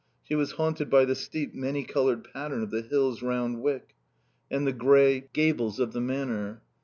She was haunted by the steep, many coloured pattern of the hills round Wyck, and the grey gables of the Manor.